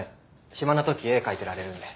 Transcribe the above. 暇なとき絵描いてられるんで。